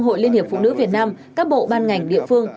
hội liên hiệp phụ nữ việt nam các bộ ban ngành địa phương